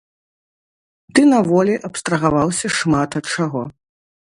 Ты на волі абстрагаваўся шмат ад чаго.